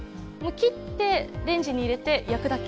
切ってレンジに入れて焼くだけ。